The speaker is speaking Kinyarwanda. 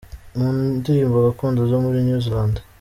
mu ndirimbo gakondo zo muri New Zealand.